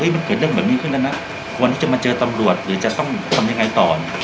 มันเกิดเรื่องแบบนี้ขึ้นแล้วนะวันนี้จะมาเจอตำรวจหรือจะต้องทำยังไงต่อ